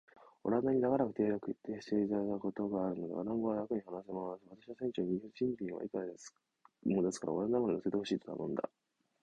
オランダに長らくいたことがあるので、オランダ語はらくに話せます。私は船長に、船賃はいくらでも出すから、オランダまで乗せて行ってほしいと頼みました。